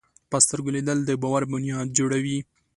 په سترګو لیدل د باور بنیاد جوړوي